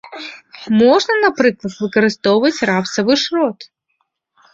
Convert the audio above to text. Можна, напрыклад, выкарыстоўваць рапсавы шрот.